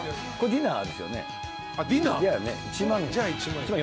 ディナーだよね？